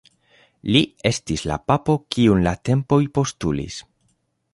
Li estis la papo kiun la tempoj postulis.